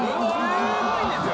すごいんですよ。